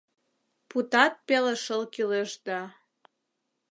Путат пеле шыл кӱлеш да